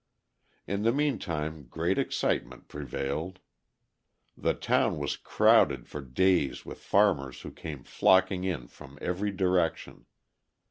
In the meantime great excitement prevailed. The town was crowded for days with farmers who came flocking in from every direction.